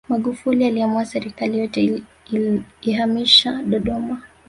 magufuli aliamua serikali yote ihamisha dodoma